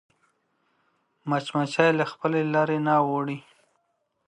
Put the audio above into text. مچمچۍ له خپلې لارې نه اوړي